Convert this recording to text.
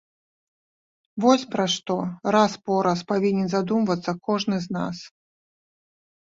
Вось пра што раз-пораз павінен задумвацца кожны з нас.